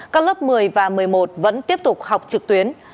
các lớp một mươi và một mươi một vẫn tiếp tục học trực tuyến